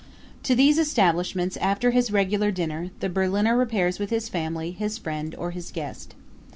To these establishments, after his regular dinner, the Berliner repairs with his family, his friend or his guest.